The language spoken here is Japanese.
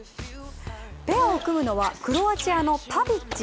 ペアを組むのはクロアチアのパビッチ。